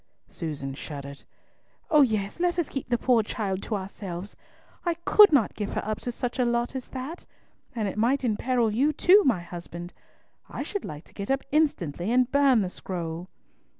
Susan shuddered. "Oh yes! let us keep the poor child to ourselves. I could not give her up to such a lot as that. And it might imperil you too, my husband. I should like to get up instantly and burn the scroll."